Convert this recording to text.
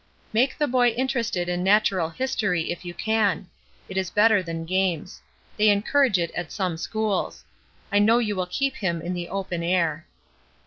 Make the boy interested in natural history if you can; it is better than games; they encourage it at some schools. I know you will keep him in the open air.